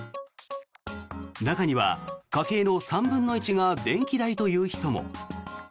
中には家計の３分の１が電気代という人も。